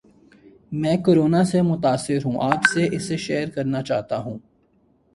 میں کورونا سے متاثر ہوں اپ سے اسے شیئر کرنا چاہتا ہوں